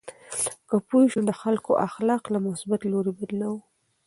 که پوه شو، نو د خلکو اخلاق له مثبت لوري بدلوو.